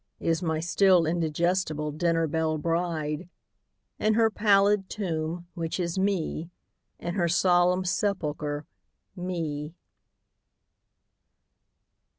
Is n^y still indigestible dinner belle bride, In her pallid tomb, which is Me, In her solemn sepulcher, Me.